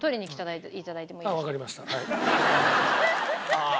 ああ。